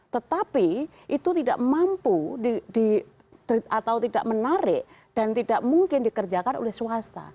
tetapi itu tidak mampu atau tidak menarik dan tidak mungkin dikerjakan oleh swasta